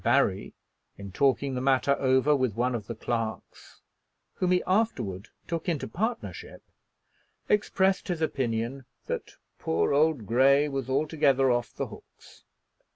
Barry, in talking the matter over with one of the clerks, whom he afterward took into partnership, expressed his opinion that "poor old Grey was altogether off the hooks."